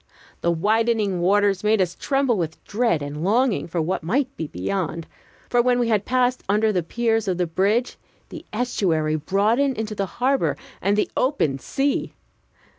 The widening waters made us tremble with dread and longing for what might be beyond; for when we had passed under the piers of the bridge, the estuary broadened into the harbor and the open sea.